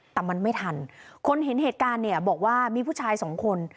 แต่มันไม่ทันคนเห็นเหตุการณ์เนี่ยบอกว่ามีผู้ชายสองคน